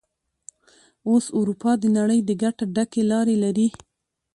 اوس اروپا د نړۍ د ګټه ډکې لارې لري.